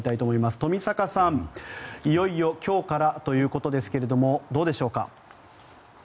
冨坂さん、いよいよ今日からということですけれどもどうでしょうか。